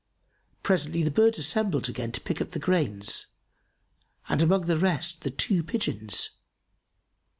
Presently the birds assembled again to pick up the grains, and amongst the rest the two pigeons.